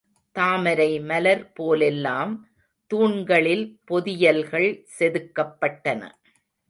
தாமரை மலர் போலெல்லாம் தூண்களில் பொதியல்கள் செதுக்கப்பட்டன.